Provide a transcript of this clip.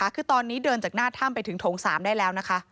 คือตอนนี้เดินจากหน้าถ้ำไปถึงโถง๓ได้แล้วนะคะ